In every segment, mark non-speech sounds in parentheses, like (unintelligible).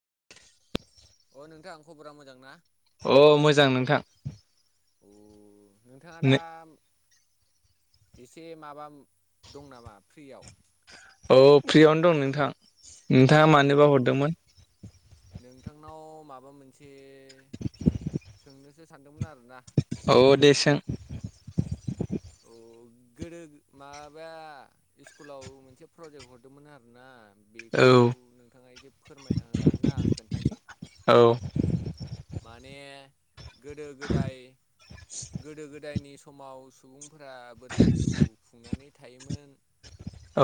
(unintelligible) अ नोंथां आं खबरा मोजां ना? अ मोजां नोंथां नोंथाङा दा एसे माबा दं नामा फ्रियाव औ फ्रियावनो दं नोंथां नोंथाङा आं मानोबा नोंथांनाव हरदोंमोन नोंथांनाव माबा माबा मोनसे सोंनोसो सानदोंमोन आरो अ दे सों औ गोदो माबाया स्कुलाव मोनसे प्रजेक्ट हरदोंमोन आरोना औ बेखौ नोंथाङा एसे फोरमायना हो आरोना आं खोन्थानि औ माने गोदो गोदाय गोदो गोदायनि समाव सुबुं फोरा बोरै जिउ खुंनानै थायोमोन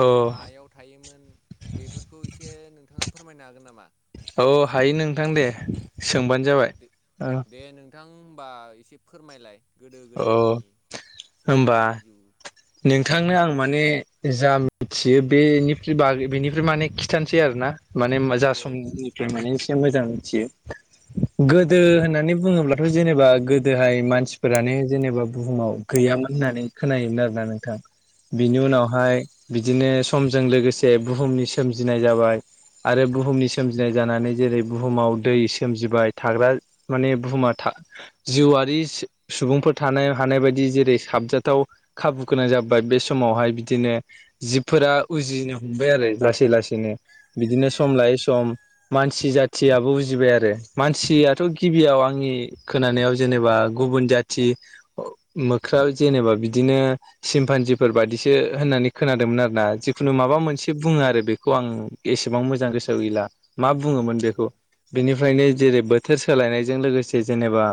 औ मायाव थायोमोन बेफोरखौ एसे नोंथाङा फोरमायनो हागोन नामा? औ हायो नोंथां दे सोंबानो जाबाय होनबा एसे फोरमायलाय गोदो गोदायनि होमबा सुबुंफोरनि जिउ नोंथांनो आं माने जा मिथियो बेनिफ्राय बागै बेनिफ्राय माने खिथानोसै आरो ना माने औ औ जाासनिफ्राय माने एसे मोजां मिथियो गोदो औ होननानै बुङोब्लाथ' जेनेबा गोदोहाय मानसि फोरानो जेनेबा बुहुमाव गैयामोन होननानै खोनायोमोन आरोना नोंथां। औ बिनि औ उनावहाय बिदिनो समजों लोगोसे बुहुमनि सोमजिनाय जाबाय आरो बुहुमनि सोमजिनाय जानानै जेरै बुहुमाव दै सोमजिबाय थाग्रा माने बुहुमा जिउआरि सुबुंफोर थानो हानाय बायदि जेरै साबजाथाव खाबु गोनां जाबाय बे समावहाय बिदिनो जिबफोरा उजिनो हमबाय आरो लासै लासैनो बिदिनो सम औ लायै सम नोंथां मान मानसि जाथियाबो उजिबाय आरो मानसियाथ गिबियाव आंनि खोनानायाव जेनेबा गुबुन जाथि मोख्राव जेनेबा बिदिनो सिमपान्जफोर बायदिसो होन खोनादोंमोन आरो ना जिखुनु मा ओ मोनसे बुङो आरो बे खौ आं औ एसेबां मोजां गोसोआव गैला मा औ बुङोमोन बेखौ बेनिफ्रायनो जेरै बोथोर सोलायनायजों लोगोसे जेनेबा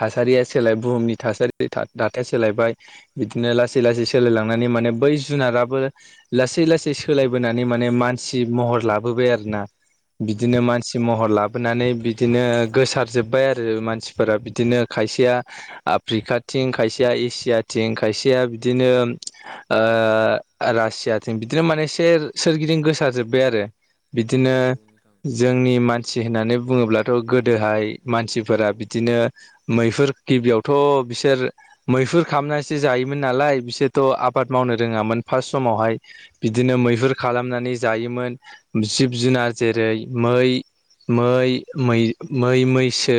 थासारिया सोलाय बुहुमनि थासारि दाथाया सोलायबाय बिदिनो औ लासै लासै सोलायलांनानै माने बै जुनाराबो लासै लासै सोलायबोनानै माने मानसि महर लाबोबाय आरोना औ बिदिनो मानसि महर लाबोनानै बिदिनो गोसार जोब्बाय आरो मानसिफोरा बिदिनो खायसेया आफ्रिकाथिं खायसेया एसियाथिं खायसेया बिदिनो रासियाथिं बिदिनो माने एसे सोरगिदिं गोसार जोबबाय आरो औ बिदिनो औ नोंथां जोंनि मानसि मानसि होननानै बुङोब्लाथ गोदोहाय मानसिफोरा बिदिनो मैहुर गिबियावथ बिसोर मैहुर खालामनानैसो जायोमोन नालाय बिसोरथ' आ आबाद मावनो रोङामोन फारर्स्ट समावहाय औ बिदिनो मैहुर खालामनानै जायोमोन जिब जुनार जेरै मै मै मै मै मैसो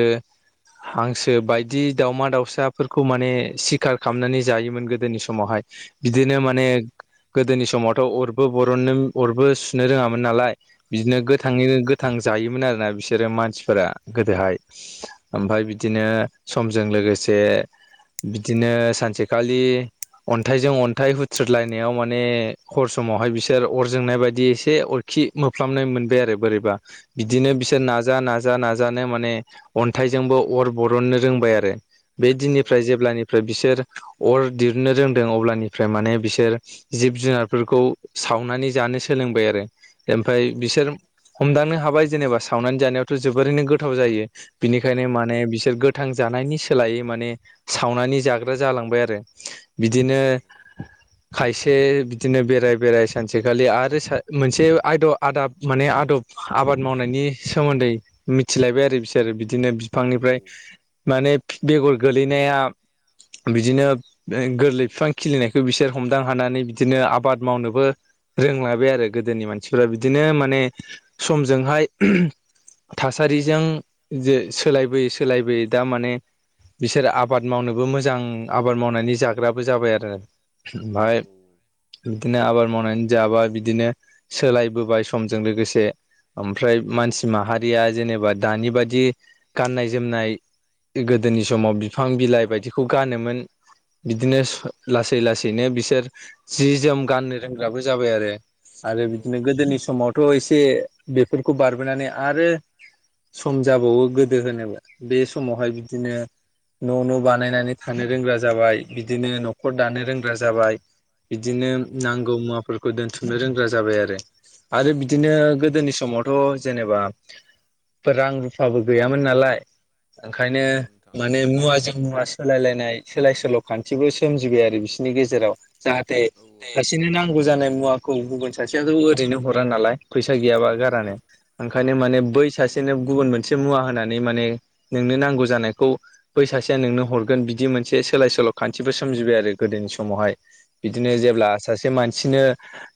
हांसो बायदि दाउमा दाउसाफोरखौ माने सिखार खालामनानै जायोमोन गोदोनि समावहाय बिदिनो औ माने गोदोनि समावथ' अरबो बरननो अरबो सुनो रोंङामोन नालाय बिदिनो औ गोथाङैनो गोथां जायोमोन आरोना बिसोरो मानसिफोरा गोदोहाय ओमफ्राय बिदिनो समजों लोगोसे बिदिनो सानसेखालि अन्थाइजों अन्थाइ हुथ्रोदलायनायाव माने हर समावहाय बिसोर अर जोंनाय बायदि एसे अरखि खि मोफ्लामनाय मोनबाय आरो बोरैबा बिदिनो बिसोर नाजा नाजा नाजानो माने अन्थायजोंबो अर बरननो रोंबाय आरो बे दिननिफ्राय जेब्लानिफ्राय बिसोर अर दिहुननो रोंदों अब्लानिफ्राय माने बिसोर जिब जुनारफोरखौ सावनानै जानो जानो सोलोंबाय आरो ओमफ्राय बिसोर हमदांनो हाबाय जेनेबा सावनानै जानायावथ' जोबोरैनो गोथाव जायो बिनिखायनो माने बिसोर गोथां जानायनि सोलायै माने सावनानै जाग्रा जालांबाय आरो औ बिदिनो औ खायसे बिदिनो बेराय बेराय सानसेखालि आरो मोनसे आदब आदाब माने आदब आबाद मावनायनि सोमोन्दै मिथिलायबाय आरो बिसोर बिदिनो औ बिफांनिफ्राय माने बेगर गोलैनाया बिदिनो गोरलै बिफां खिलिनायखौ बिसोर हमदां हानानै बिदिनो आबाद मावनोबो रोंलाबाय आरो गोदोनि मानसिफ्रा बिदिनो माने समजोंहाय थासारिजों जे सोलायबोयै सोलायबोयै दा माने बिसोर आबाद मावनोबो मोजां आबाद मावनानै जाग्राबो जाबाय आरो औ ओमफ्राय बिदिनो आबाद मावनानै जाबा बिदिनो सोलायबोबाय समजों लोगोसे ओमफ्राय मानसि माहारिया जेनेबा दानि बादि बिदि गाननाय जोमनाय गोदोनि समाव बिफां बिलाइ बायदिखौ गानोमोन बिदिनो लासै लासैनो बिसोर सि जोम गाननो रोंग्राबो जाबाय आरो आरो औ बिदिनो नोंथां गोदोनि समावथ' एसे बेफोरखौ बारबोनानै आरो सम जाबावो गोदो होनोबा बे समावहाय बिदिनो न' न' बानायनानै थानो रोंग्रा जाबाय बिदिनो न'खर दानो रोंग्रा जाबाय औ बिदिनो नांगौ मुवाफोरखौ दोनथुमनो रोंग्रा जाबाय आरो आरो बि बिदिनो औ गोदोनि समावथ' जेनेबा रां रुफाबो गैयामोन नालाय औ ओंखायनो औ नोंथां माने मुवाजों मुवासो सोलायलायनाय सोलाय सोल' खान्थिबो सोमजिबाय आरो बिसोरनि गेजेराव जाहाथे औ ओ औ नोंथां औ सासेनो नांगौ जानाय मुवाखौ गुबुन सासेयाथ' ओरैनो हरा नालाय फैसा गैयाबा गारानो ओंखायनो औ माने बै सासे गुबुन मोन मोनसे मुवा होनानै माने नोंनो नांगौ जानायखौ बै सासेया नोंनो हरगोन बिदि मोनसे सोलाय सोल' खान्थिफोर सोमजिबाय आरो गोदोनि समावहाय बिदिनो जेब्ला सासे मानसिनो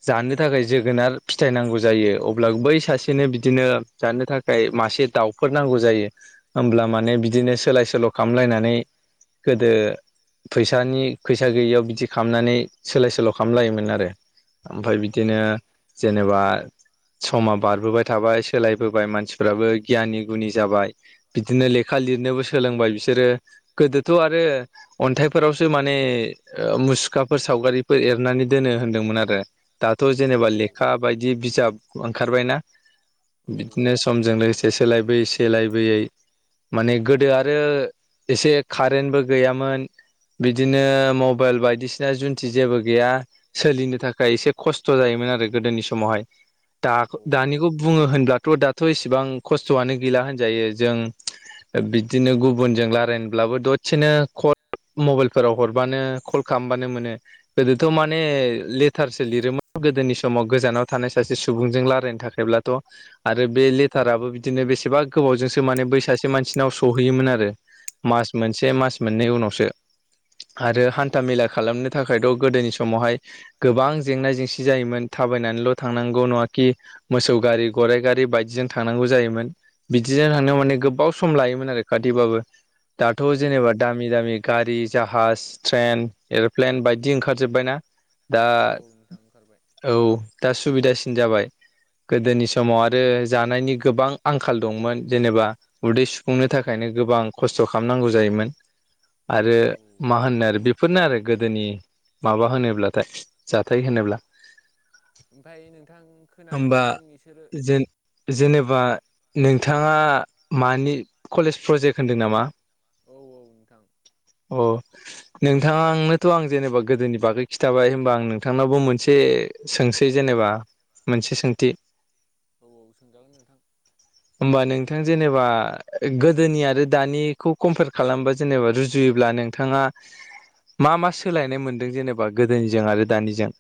जानो थाखाय जोगोनार फिथायाइ नांगौ जायो अब्ला बै सासेनो बिदिनो जानो थाखाय मासे दाउफोर नांगौ जायो ओमब्ला माने बिदिनो सोलाय सोल' खालामलायनानै गोदो फैसानि फैसा गैयियाव बिदि खालामनानै सोलाय सोल' खालामलायोमोन आरो ओमफ्राय बिदिनो जेनेबा समा बारबोबाय थाबाय सोलायबोबाय मानसिफ्राबो गियानि गुनि जाबाय बिदिनो लेखा लिरनोबो सोलोंबाय बिसोरो गोदोथ' आरो अन्थाय फोरवसो माने मु खाफोर सावगारिफोर एरनानै दोनो होनदोंमोन आरो दाथ' औ जेनेबा नोंथां लेखा बायदि बिजाब ओंखारबायना बिदिनो समजों ओंखारबाय लोगोसे सोलाय ओंखारनायालाय लायबोयै माने गोदो आरो एसे कारेन्टबो गैयामोन बिदिनो मबाइल बायदिसिना जुन्थि जेबो गैया सोलिनो थाखाय एसे खस्थ' जायोमोन गोदोनि समावहाय औ दानिखौ बुङो होनब्लाथ' दाथ' एसेबां ख स्थ'आनो गैला होनजायो जों बिदिनो गुबुनजों रायलायनोब्लाबो दसेनो खद मबाइलफोराव हरबानो कल खालामबानो मोनो गोदोथ' माने लेथारसो लिरोमोन गोदोनि समाव गोजानाव थानाय सासे सुबुंजों रायलायनो थाखायब्लाथ' आरो बे लेटाराबो बि बिदिनो बेसेबा गोबावजोंसो माने बै सासे मानसिनाव सहैयोमोन आरो। मास मोनसे मास मोननै उनावसो आरो नंगौ नामा नोंथां हान्थामेला खालामनो थाखायथ'। गोदोनि समावहाय गोबां जेंना जेंसि जायोमोन थाबायनानैल' थांनांगौ नङाखि। मोसौ गारि गराइ गारि बायदिजों थांनांगौ जायोमोन। बिदिजोंनो थांनायाव माने गोबाव सम लायोमोन आरो खाथिबाबो। दाथ' औ जेनेबा नोंथां। दामि दामि गारि। जाहाज ट्रेन एर'प्लेन बायदि ओंखारजोबबाय ना। दा औ औ नोंथां ओंखारबाय औ दा सुबिदासि। जाबाय गोदोनि समाव आरो जानायनि गोबां आंखाल दंमोन जेनेबा उदै सुफुंनो थाखायनो गोबां खस्थ' खालामनांगौ जायोमोन। आरो औ। मा होनो आरो बे बफोरनो आरो गोदोनि माबा होनोब्लाथाय जाथाय होनोब्ला। ओमफ्राय नोंथां खोनानो होमबा मोनदों बिसोरो। जेन जेनेबा नोंथाङा मानि कलेज प्रजेक्ट होन्दों नामा? औ औ नोंथां अ नोंथांनोथ' आं जेनेबा गोदोनि बागै खिथाबाय होमबा आं नोंथांनावाबो मोनसे सोंसै जेनेबा। एबा मोनसे सोंथि। औ औ सोंजागोन नोंथां। (inaudible) होमबा नोंथां जेनेबा गोदोनि आरो दानिखौ कम्पेयार खालामबा जेनेबा रुजुयोब्लानो। नोंथाङा मा मा सोलायनाय मोन्दों जेनेनोबा गोदोनिजों आरो दानिजों।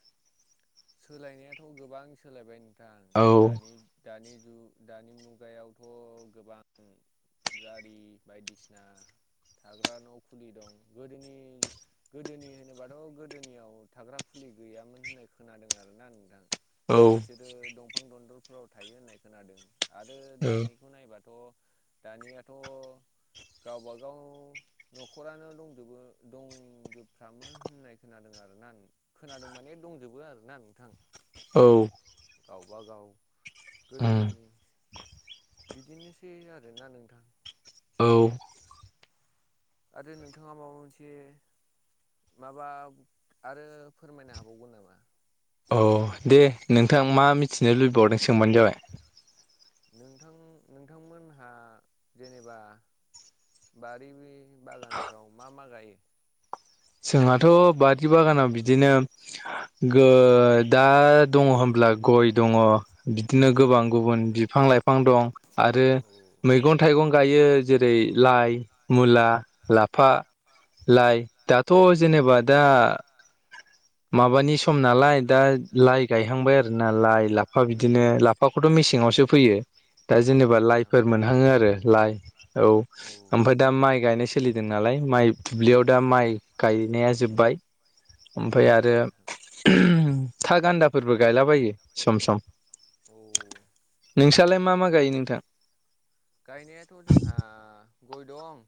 सोलायनायाथ' गोबां सोलायबाय नोंथां औ दानि दानि जुग दानि मुगायावथ' गोबां गारि बायदिसिना। थाग्रा न'खुलि दं गोदोनि गोदोनि होनोबाथ' गोदोनियाव थाग्रा खुलि गैयामोन होननाय खोनादों आरोना नोंथां औ बिसोरो दंफां दन्दरफ्राव थायो होननाय खोनादों। आरो औ दानिखौ नायबाथ' दानियाथ' गावबागाव न'खरानो दंजोबो दंजोबफ्रामो होननाय खोनादों। आरो ना खोनादों माने दंजोबो आरो ना नोंथां। औ गावबागाव उम गोदोनि बिदिनोसै आरोना नोंथां। औ आरो नोंथाङा माबा मोनसे माबा आरो फोरमायनो हाबावगोन नामा? औ दे नोंथां मा मिथिनो लुबैबावदों सोंबानो जाबाय। नोंथां नोंथांमोनहा जेनेबा बारिनि बागानफ्राव मा मा गायो? जोंहाथ' बारि बागानाव बिदिनो गो दा दङ होमब्ला। गय दङ बिदिनो गोबां गुबुन बि। फां लाइफां दं आरो औ मैगं थाइगंं। गायो जेरै लाइ मुला लाफा लाइ। दाथ' जेनेबा दा माबानि। सम नालाय दा लाइ गायहांबाय आरोना लाइ लाफा बिदिनो लाफाखौथ' मेसेङावसो फैयो। दा औ जेनेबा नोंथां औ लाइफोर मोनहाङो आरो लाइ औ ओमफ्राय दा माइ गायनाय सोलिदों नालाय। माय। दुब्लियाव दा माइ गायनाया जोबबाय औ ओमफ्राय औ आरो। नोंथां था गान्दाफोरबो गायलाबायो सम सम। औ नोंसि नालाय मा मा गायो नोंथां? गायनायाथ' जोंहा गय दं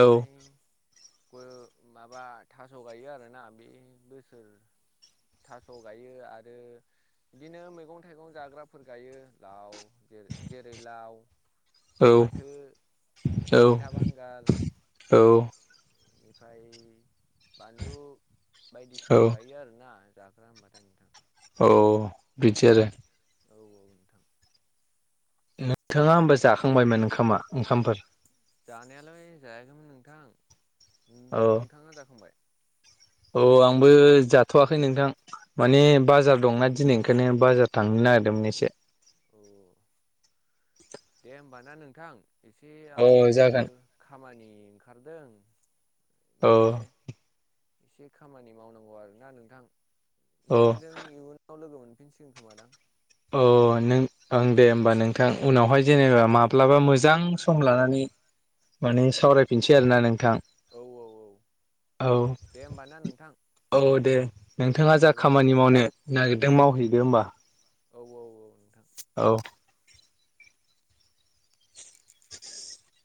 औ गय माबा थास' गायो आरो ना। बे बोसोर थास' गायो आरो बिदिनो मैगं थाइगं जाग्राफोर गायो लाव जेरै जेरै लाव। औ फाथो औ मैथा औ। बेनिफाय बानलु औ बायदिसिना गायो आरो ना। जाग्रा होनबाथाय नोंथां। औ बिदि आरो औ औ नोंथां। नोंथाङा होमबा जाखांबायमोन ओंखामा ओंखामफोर? जानायालाय जायाखैमोन नोंथां। नोंथाङा जाखांबाय? अ आंबो जाथ'वाखै नोंथां माने बाजार दंना दिनै ओंखायनो बाजार थांनो ना गिरदोंमोन एसे। औ दे होमबा ना नोंथां। एसे औ आंनाबो जागोन खामानि ओंखारदों। औ माने एसे खामानि मावनांगौ आरो ना नोंथां। औ नोंथांजों इयुनाव लोगो मोनफिनसिगोन खोमा दां? अ नों ओं दे होमबा नोंथां उनावहाय जेनेबा माब्लाबा मोजां सम लानानै माने सावरायफिनसै आरो ना नों थां औ औ औ औ दे होमबा ना नोंथां औ दे। नोंथाङा जा बाय बाय खामानि मावनो नागिरदों मावहैदो होमबा। औ औ औ नोंथां। औ। (inaudible)